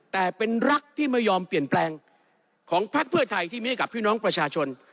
แต่เป็นรักที่ไม่ยอมเปลี่ยนแปลงของพักเพื่อไทยที่มีให้กับพี่น้องประชาชน